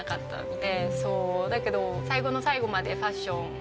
だけど最後の最後までファッション。